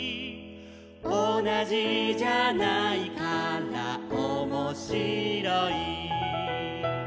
「おなじじゃないからおもしろい」